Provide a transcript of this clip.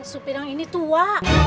supir yang ini tua